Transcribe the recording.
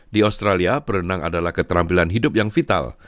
di australia berenang adalah keterampilan hidup yang vital